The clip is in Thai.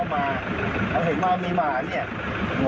เอามาเอาเห็นว่ามีหมาเนี่ย